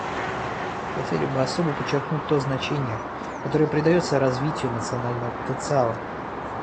Мы хотели бы особо подчеркнуть то значение, которое придается развитию национального потенциала.